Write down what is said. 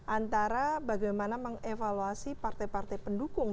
antara bagaimana mengevaluasi partai partai pendukung